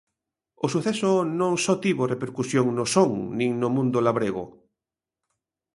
O suceso non só tivo repercusión no Son nin no mundo labrego.